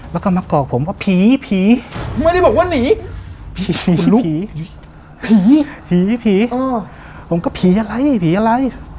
แล้วก็มากอกผมว่าผีผีไม่ได้บอกว่าหนีผีผีผีผมก็ผีอะไรผีอะไร